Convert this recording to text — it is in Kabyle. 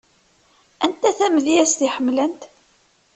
Anta tamedyazt i ḥemmlent?